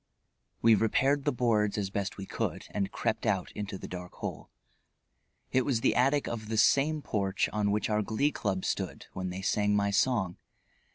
We repaired the boards as best we could and crept out into the dark hole. It was the attic of the same porch on which our Glee Club stood when they sang my song.